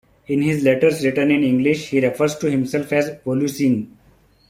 In his letters written in English he refers to himself as Volusene.